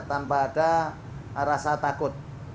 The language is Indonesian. tanpa ada rasa takut